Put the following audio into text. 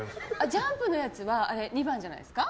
ジャンプのやつは２番じゃないですか？